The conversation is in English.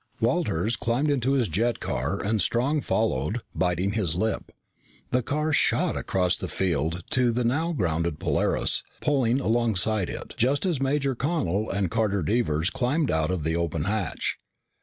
Walters climbed into his jet car and Strong followed, biting his lip. The car shot across the field to the now grounded Polaris, pulling alongside it just as Major Connel and Carter Devers climbed out of the open hatch.